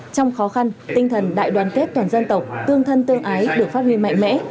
trong khó khăn tinh thần đại đoàn kết toàn dân tộc tương thân tương ái được phát huy mạnh mẽ